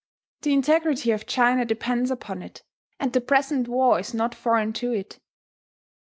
The integrity of China depends upon it; and the present war is not foreign to it.